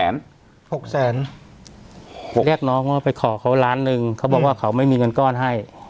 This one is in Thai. เรียกน้องว่าไปขอเขาล้านหนึ่งเขาบอกว่าเขาไม่มีเงินก้อนให้